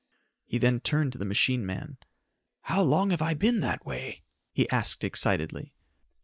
He then turned to the machine man. "How long have I been that way?" he asked excitedly.